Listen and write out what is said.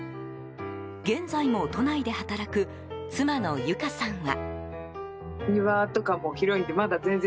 現在も都内で働く妻の有香さんは。